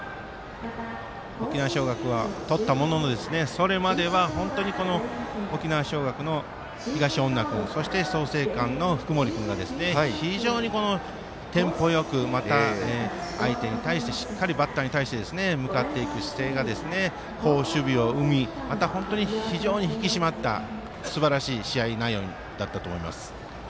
沖縄尚学がとったもののそれまでは本当に沖縄尚学の東恩納君そして創成館の福盛君が非常にテンポよくまた、相手に対してしっかりバッターに対して向かっていく姿勢が好守備を生み、また本当に引き締まった、すばらしい試合内容だったと思います。